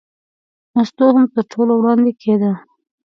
مستو هم تر ټولو وړاندې کېده.